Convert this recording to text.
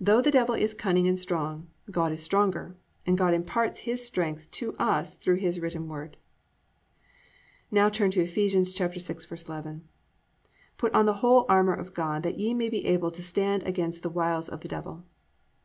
Though the Devil is cunning and strong, God is stronger, and God imparts His strength to us through His written word. 3. Turn now to Eph. 6:11: +"Put on the whole armour of God, that ye may be able to stand against the wiles of the devil."